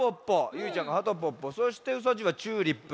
ゆいちゃんが「はとポッポ」そしてうさじいは「チューリップ」。